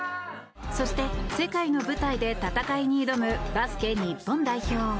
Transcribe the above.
そして、世界の舞台で戦いに挑むバスケ日本代表。